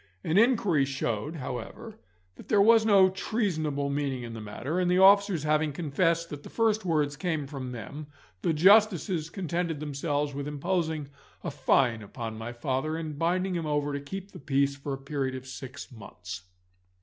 An inquiry showed, however, that there was no treasonable meaning in the matter, and the officers having confessed that the first words came from them, the Justices contented themselves with imposing a fine upon my father, and binding him over to keep the peace for a period of six months.